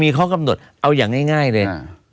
มีข้อกำหนดเอาอย่างง่ายเลย